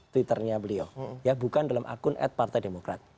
twitternya beliau ya bukan dalam akun ad partai demokrat